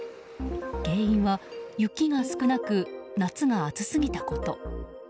原因は、雪が少なく夏が暑すぎたこと。